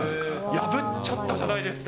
破っちゃったじゃないですか。